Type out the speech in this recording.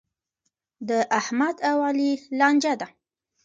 د احمد او علي لانجه ده.